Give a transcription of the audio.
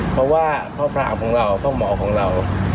เพราะว่าพ่อพรามของเราพ่อหมอของเรา